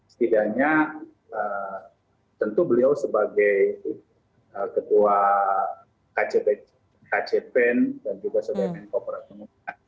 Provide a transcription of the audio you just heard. setidaknya tentu beliau sebagai ketua kcb kcben dan juga sdpm incorporation